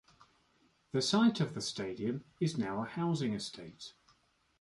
The site of the stadium is now a housing estate.